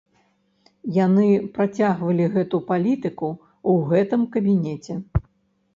Яны працягвалі гэту палітыку ў гэтым кабінеце.